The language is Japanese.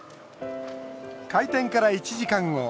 開店から１時間後。